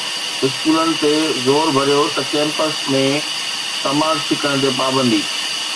اسڪولن تي زور ڀريو ته ڪيمپس ۾ تماڪ ڇڪڻ تي پابندي